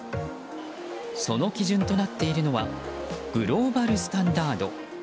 その基準となっているのはグローバルスタンダード。